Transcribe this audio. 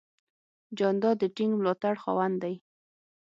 جانداد د ټینګ ملاتړ خاوند دی.